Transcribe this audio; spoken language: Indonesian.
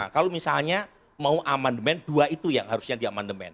kalau misalnya mau amandemen dua itu yang harusnya diamandemen